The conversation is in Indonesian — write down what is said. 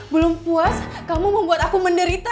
belum puas kamu membuat aku menderita